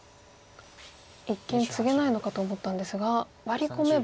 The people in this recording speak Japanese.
一見ツゲないのかと思ったんですがワリ込めば。